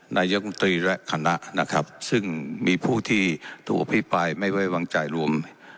นายกุงตรีและคณะนะครับซึ่งมีผู้ที่ถูกอภิปรายไม่ไว้วางใจรวม